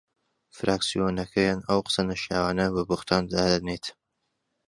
فراکسیۆنەکەیان ئەو قسە نەشیاوانە بە بوختان دادەنێت